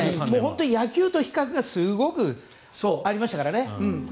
野球と比較がすごくありましたからね。